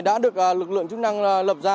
đã được lực lượng chức năng lập ra